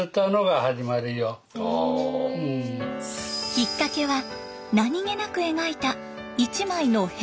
きっかけは何気なく描いた一枚のへびの絵。